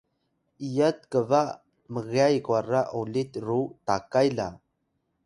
iyat kba mgyay kwara olit ru takay la